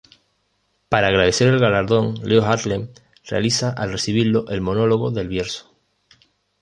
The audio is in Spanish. Para agradecer el galardón Leo Harlem realiza al recibirlo el "Monólogo del Bierzo".